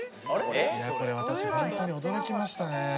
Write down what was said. これ私ホントに驚きましたね。